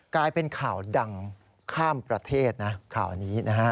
กลายเป็นข่าวดังข้ามประเทศนะข่าวนี้นะฮะ